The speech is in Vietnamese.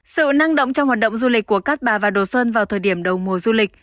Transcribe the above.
sự năng động trong hoạt động du lịch của cát bà và đồ sơn vào thời điểm đầu mùa du lịch